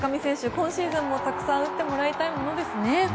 今シーズンもたくさん打ってもらいたいものですね。